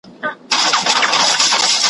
په تور خلوت کي له هانه ګوښه ,